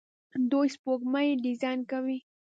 دوی سپوږمکۍ ډیزاین کوي.